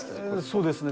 そうですね。